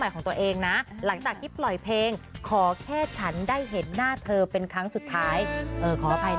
คือเพลงเขาซึ้งไง